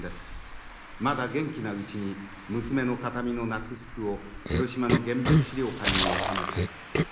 まだ元気なうちに娘の形見の夏服を広島の原爆資料館に収めたい。